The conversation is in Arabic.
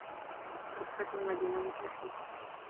أَضْحَتْ الْمَدِينَةُ مُزْدَحِمَةً.